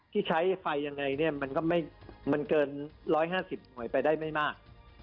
ที่ใช้ไฟอย่างไรมันเกิน๑๕๐หน่วยไปได้ไม่มาก